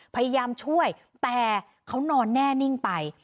พยายามช่วยแต่เขานอนแน่นิ่งไป